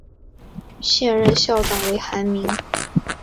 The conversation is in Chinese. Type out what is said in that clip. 现任校长为韩民。